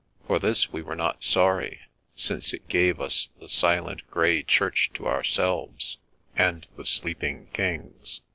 For this we were not sorry, since it gave us the silent grey church to ourselves — ^and the sleep ing Kings.